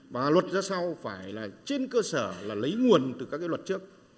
và luật ra sau phải là trên cơ sở là lấy nguồn từ các luật trước